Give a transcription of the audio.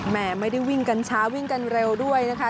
ไม่ได้วิ่งกันช้าวิ่งกันเร็วด้วยนะคะ